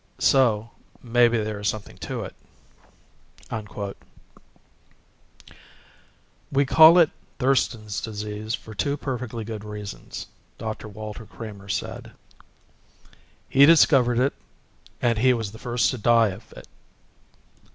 So maybe there is something to it _ "We call it Thurston's Disease for two perfectly good reasons," Dr. Walter Kramer said. "He discovered it and he was the first to die of it."